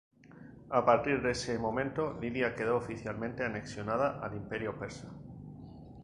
A partir de ese momento Lidia quedó oficialmente anexionada al Imperio persa.